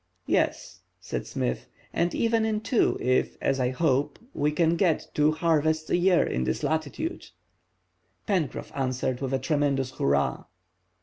"Yes," said Smith, "and even in two, if, as I hope, we can get two harvests a year in this latitude." Pencroff answered with a tremendous hurrah.